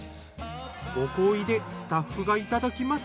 ご厚意でスタッフがいただきます。